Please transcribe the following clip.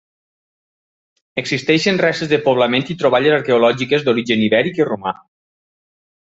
Existeixen restes de poblament i troballes arqueològiques d'origen ibèric i romà.